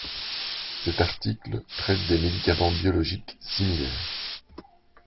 Cet article traite des médicaments biologiques similaires.